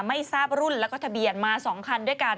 ไม่ทราบรุ่นแล้วก็ทะเบียนมา๒คันด้วยกัน